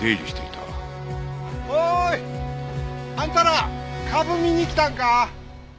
おーい！あんたらかぶ見に来たんか？